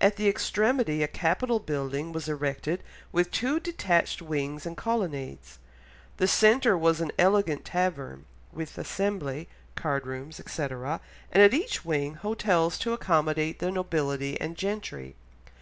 At the extremity a capital building was erected with two detached wings, and colonnades. The centre was an elegant tavern, with assembly, card rooms, etc., and at each wing, hotels to accommodate the nobility and gentry.